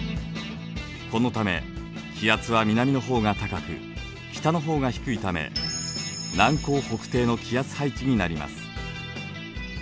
このため気圧は南の方が高く北の方が低いため南高北低の気圧配置になります。